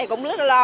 cũng rất là lo